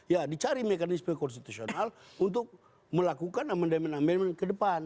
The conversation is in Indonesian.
ya dicari mekanisme konstitusional untuk melakukan amendement amendement ke depan